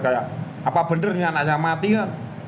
kayak apa bener ini anak saya mati ya